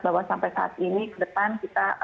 bahwa sampai saat ini ke depan kita